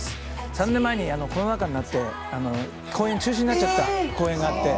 ３年前にコロナ禍になって中止になっちゃった公演があって。